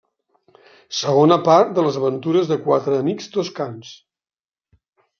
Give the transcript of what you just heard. Segona part de les aventures de quatre amics toscans.